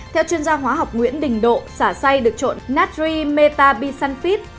theo chuyên gia hóa học nguyễn đình độ xả xay được trộn natri metabisanfit